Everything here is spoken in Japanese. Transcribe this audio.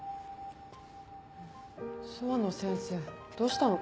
諏訪野先生どうしたの？